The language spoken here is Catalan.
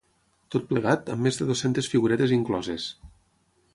Tot plegat, amb més de dues-centes figuretes incloses.